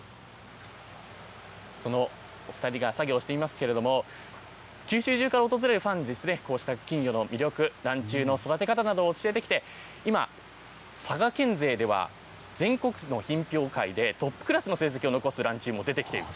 そのお２人が作業していますけれども、九州中から訪れるファンにですね、こうした金魚の魅力、らんちゅうの育て方などを教えてきて、今、佐賀県勢では全国区の品評会でトップクラスの成績を残すらんちゅうも出てきている。